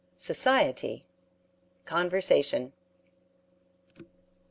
SOCIETY CONVERSATION.